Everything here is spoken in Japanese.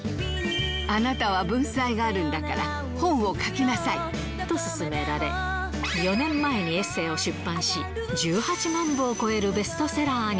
あなたは文才があるんだから、と勧められ、４年前にエッセイを出版し、１８万部を超えるベストセラーに。